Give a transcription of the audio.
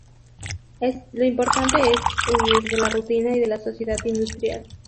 Lo importante es huir de la rutina y de la sociedad industrial.